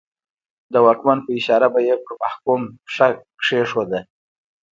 د واکمن په اشاره به یې پر محکوم پښه کېښوده.